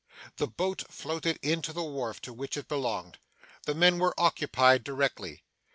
The boat floated into the wharf to which it belonged. The men were occupied directly.